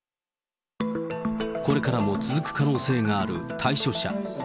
これからも続く可能性がある退所者。